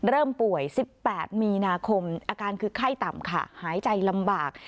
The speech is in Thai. เริ่มป่วย๑๘มีนาคมอาการคือไข้ต่ำค่ะหายใจลำบาก